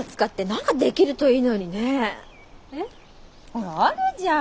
ほらあるじゃん。